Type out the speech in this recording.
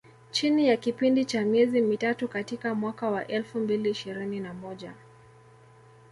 Chini ya kipindi cha miezi mitatu katika mwaka wa elfu mbili ishirini na moja